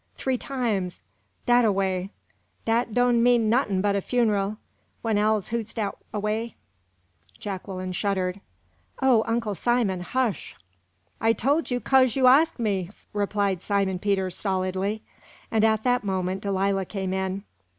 three times, dat ar way dat doan' means nuttin' but a funeral, when owls hoots dat away." Jacqueline shuddered. "O Uncle Simon, hush!" "I tole you kase you arsk me," replied Simon Peter, stolidly; and at that moment Delilah came in.